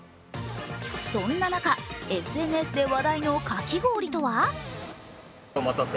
そんな中、ＳＮＳで話題のかき氷とは？